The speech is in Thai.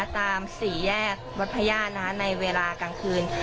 สี่แยกวัดพระญาติในเวลากลางคืน